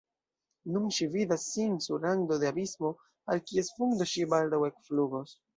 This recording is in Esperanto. Nun ŝi vidas sin sur rando de abismo, al kies fundo ŝi baldaŭ ekflugos.